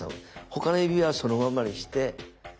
他の指はそのままにして。